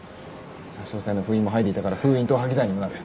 差し押さえの封印も剥いでいたから封印等破棄罪にもなる。